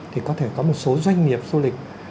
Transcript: thì có thể có một số doanh nghiệp du lịch